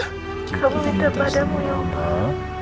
kamu minta padamu ya allah